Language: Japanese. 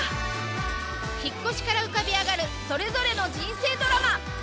引っ越しから浮かび上がるそれぞれの人生ドラマ！